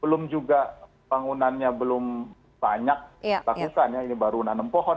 belum juga bangunannya belum banyak lakukan ya ini baru nanam pohon